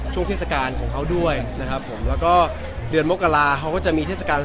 ช่วงเทศกาลของเขาด้วยนะครับผมแล้วก็เดือนมกราเขาก็จะมีเทศกาล